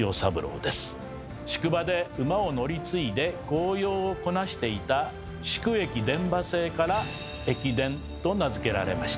宿場で馬を乗り継いで公用をこなしていた「宿駅伝馬制」から「駅伝」と名付けられました。